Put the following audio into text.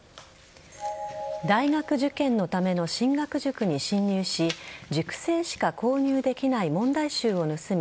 大学受験のための進学塾に侵入し塾生しか購入できない問題集を盗み